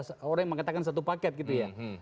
seorang yang mengatakan satu paket gitu ya